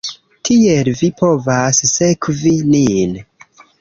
Tiel vi povas sekvi nin